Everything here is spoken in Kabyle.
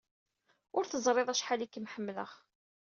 Ur teẓriḍ acḥal ay kem-ḥemmleɣ.